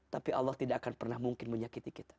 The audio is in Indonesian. tapi allah tidak akan pernah mungkin menyakiti kita